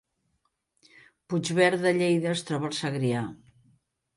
Puigverd de Lleida es troba al Segrià